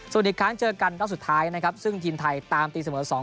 ส่วนอีกครั้งเจอกันรอบสุดท้ายนะครับซึ่งทีมไทยตามตีเสมอ๒๐